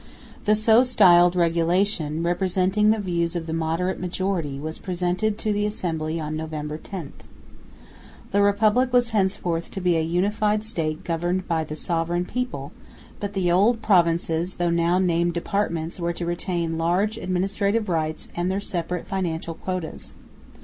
The (so styled) Regulation, representing the views of the moderate majority, was presented to the Assembly on November 10. The Republic was henceforth to be a unified state governed by the Sovereign People; but the old provinces, though now named departments, were to retain large administrative rights and their separate financial quotas.